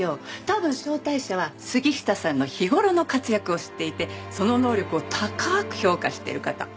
多分招待者は杉下さんの日頃の活躍を知っていてその能力を高く評価してる方。